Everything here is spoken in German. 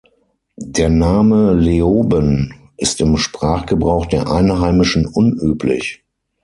Der Name „Leoben“ ist im Sprachgebrauch der Einheimischen unüblich.